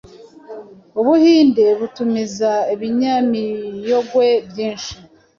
Ubuhinde butumiza ibinyamiogwe byinhi